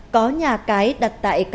có nhà cái đặt tại